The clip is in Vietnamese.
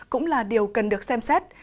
cũng là điều cần được xem xét